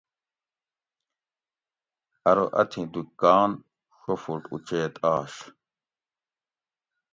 ارو اتھی دکان ڛو فُٹ اُچیت آش